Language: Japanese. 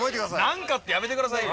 何かってやめてくださいよ。